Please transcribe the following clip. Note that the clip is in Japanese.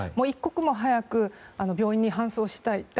一刻も早く病院に搬送したい。